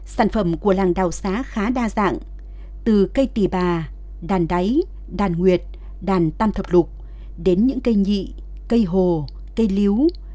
sản phẩm của làng đào xá khá đa dạng từ cây tỳ bà đàn đáy đàn nguyệt đàn tam thập lục đến những cây nhị cây hồ cây líu